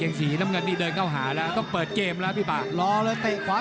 แข้งสีน้ำกระดี้เดินเข้าหาละก็เปิดเกมล่ะพี่ปาก